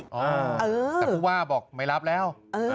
แต่ผู้ว่าบอกไม่รับแล้ว